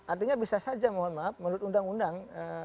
artinya bisa saja mohon maaf menurut undang undang